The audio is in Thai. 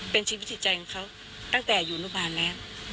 เป็นชีวิตจิตใจของเขาตั้งแต่อยู่นุบาลแล้ว